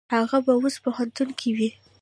هغه به اوس پوهنتون کې وي.